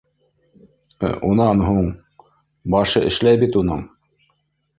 Унан һуң... башы эшләй бит уның.